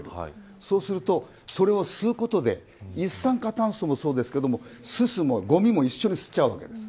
そうすると、それを吸うことで一酸化炭素もそうですけどすすもごみも一緒に吸っちゃうわけです。